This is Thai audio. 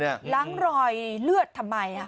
ล้างรอยเลือดทำไม